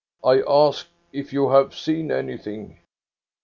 I ask if you have seen anything?